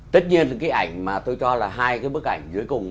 tất nhiên là cái ảnh mà tôi cho là hai cái bức ảnh dưới cùng